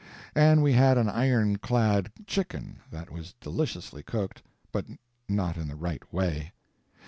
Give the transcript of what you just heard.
And we had an iron clad chicken that was deliciously cooked, but not in the right way.